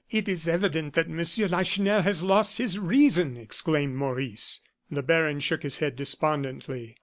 "It is evident that Monsieur Lacheneur has lost his reason!" exclaimed Maurice. The baron shook his head despondently.